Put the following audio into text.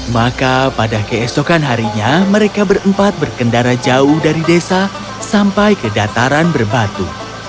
maka pada keesokan harinya mereka berempat berkendara jauh dari desa sampai ke dataran berbatu